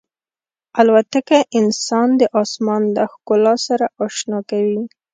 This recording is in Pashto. الوتکه انسان د آسمان له ښکلا سره اشنا کوي.